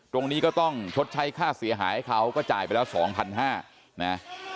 ตรงนี้ก็ต้องชดใช้ค่าเสียหายให้เขาก็จ่ายไปแล้ว๒๕๐๐นะ